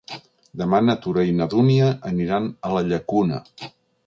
Demà na Tura i na Dúnia aniran a la Llacuna.